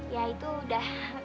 ya itu udah